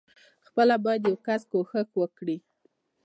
خپله بايد يو کس کوښښ وکي.